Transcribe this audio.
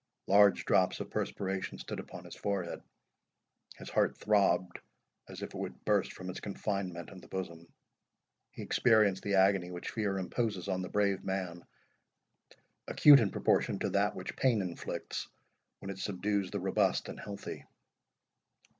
Large drops of perspiration stood upon his forehead—his heart throbbed, as if it would burst from its confinement in the bosom—he experienced the agony which fear imposes on the brave man, acute in proportion to that which pain inflicts when it subdues the robust and healthy.